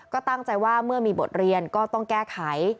ก็ตั้งใจว่าเมื่อมีบทเรียนก็ต้องแก้ไข